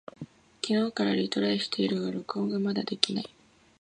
昨日からトライしているが録音がまだできない。